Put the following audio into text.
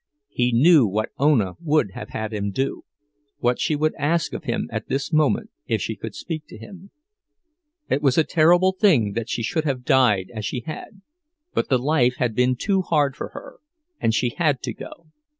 He knew what Ona would have had him do, what she would ask of him at this moment, if she could speak to him. It was a terrible thing that she should have died as she had; but the life had been too hard for her, and she had to go.